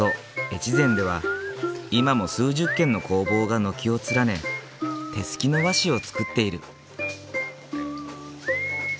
越前では今も数十軒の工房が軒を連ね手すきの和紙を作っている。